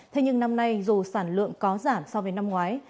thế nhưng năm nay dù sản lượng có giảm so với năm ngoái